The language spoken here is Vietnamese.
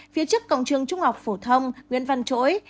phía trước cổng trường trung học phổ thông nguyễn văn chỗi